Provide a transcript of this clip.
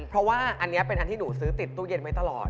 เพราะว่าอันนี้หนูซื้อติดตู้เย็นไว้ตลอด